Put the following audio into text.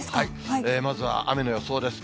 まずは雨の予想です。